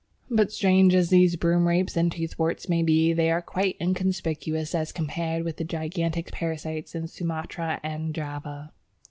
But strange as these Broomrapes and Toothworts may be, they are quite inconspicuous as compared with the gigantic parasites found in Sumatra and Java.